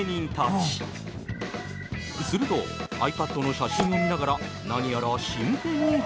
するとｉＰａｄの写真を見ながら何やら。